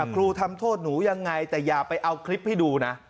ครูทำโทษหนูยังไงแต่อย่าไปเอาคลิปให้ดูนะ